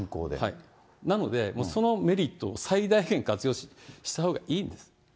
なので、そのメリットを最大限活用したほうがいいんです。